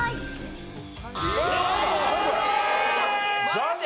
残念！